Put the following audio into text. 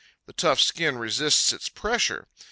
The tough skin resists its pressure.